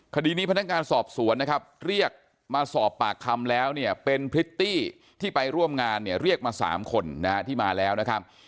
คดีนี้พนักงานสอบสวนนะครับเรียกมาสอบปากคำแล้วเนี่ยเป็นพริตตี้ที่ไปร่วมงานเนี่ยเรียกมา๓คนที่มาแล้วนะครับ